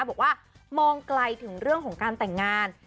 บอกว่ามองไกลถึงเรื่องของการแต่งงาน